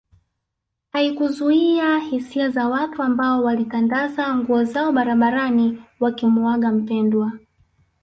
Haikuzuia hisia za watu ambao walitandaza nguo zao barabarani wakimuaga mpendwa